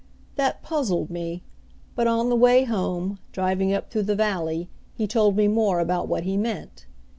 That puzzled me; but on the way home, driving up through the valley, he told me more about what he meant.